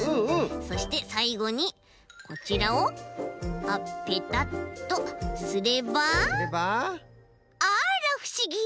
そしてさいごにこちらをあっペタッとすればあらふしぎ！